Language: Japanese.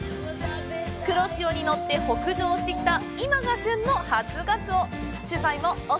黒潮に乗って北上してきた今が旬の初ガツオ！